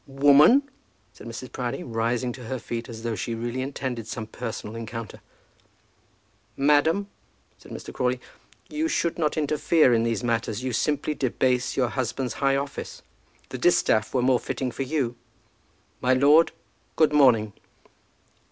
"Woman!" said Mrs. Proudie, rising to her feet as though she really intended some personal encounter. "Madam," said Mr. Crawley, "you should not interfere in these matters. You simply debase your husband's high office. The distaff were more fitting for you. My lord, good morning."